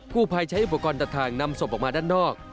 ผู้ภัยใช้อุปกรณ์ตัดทางนำศพออกมาด้านนอก